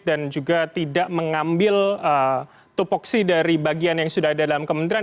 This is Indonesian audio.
dan juga tidak mengambil topoksi dari bagian yang sudah ada dalam kementerian